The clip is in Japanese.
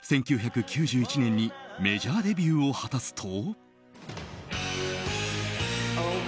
１９９１年にメジャーデビューを果たすと。